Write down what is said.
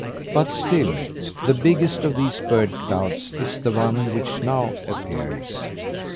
But still the biggest of these bird clouds is the one which now appears.